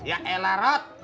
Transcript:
ya iyalah bang